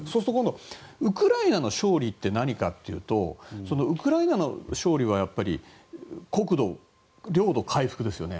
じゃあウクライナの勝利は何かっていうとウクライナの勝利は国土、領土回復ですね。